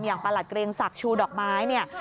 อย่างประหลัดเกรงศักดิ์ชูดอกไม้